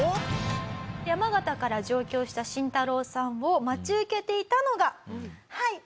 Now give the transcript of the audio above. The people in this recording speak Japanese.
山形から上京したシンタロウさんを待ち受けていたのがはい。